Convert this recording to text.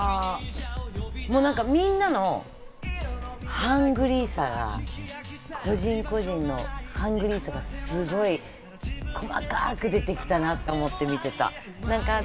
みんなのハングリーさが、個人個人のハングリーさがすごい細かく出てきたなと思って見てた。